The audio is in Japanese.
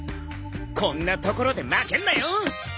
こんなところで負けんなよ！